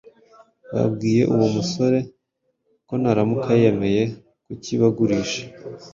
Babwiye uwo musore ko naramuka yemeye kukibagurisha,